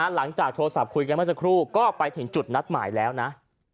หลังจากโทรศัพท์คุยกันเมื่อสักครู่ก็ไปถึงจุดนัดหมายแล้วนะ